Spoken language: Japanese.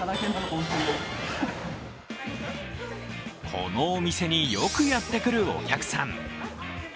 このお店によくやってくるお客さん。